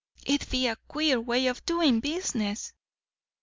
"It'd be a queer way of doing business!"